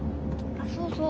あっそうそう。